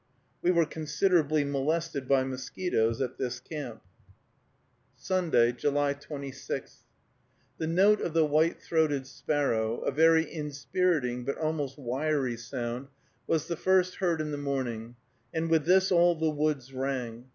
We were considerably molested by mosquitoes at this camp. SUNDAY, July 26. The note of the white throated sparrow, a very inspiriting but almost wiry sound, was the first heard in the morning, and with this all the woods rang.